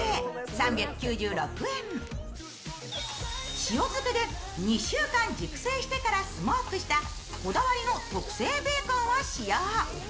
塩漬けで２週間熟成してからスモークしたこだわりの特製ベーコンを使用。